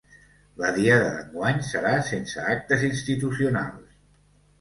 La Diada d'enguany serà sense actes institucionals